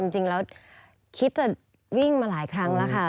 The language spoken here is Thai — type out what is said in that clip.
จริงแล้วคิดจะวิ่งมาหลายครั้งแล้วค่ะ